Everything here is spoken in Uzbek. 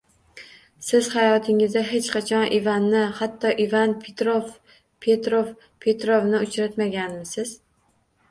Siz hayotingizda hech qachon Ivanni, hatto Ivan, Pitrov, Petrov, Petrovni uchratmaganmisiz?